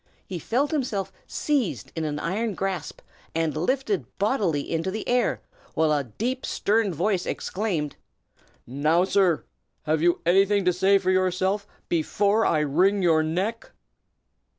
He felt himself seized in an iron grasp and lifted bodily into the air, while a deep, stern voice exclaimed, "Now, sir! have you anything to say for yourself, before I wring your neck?"